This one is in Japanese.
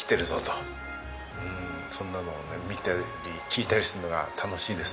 そんなのを見たり聞いたりするのが楽しいです。